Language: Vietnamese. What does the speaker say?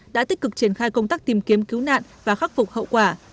đã tích cực triển khai công tác tìm kiếm cứu nạn và khắc phục hậu quả